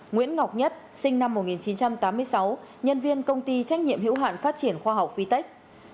bảy nguyễn ngọc nhất sinh năm một nghìn chín trăm tám mươi sáu nhân viên công ty trách nhiệm hiệu hạn phát triển khoa học vtec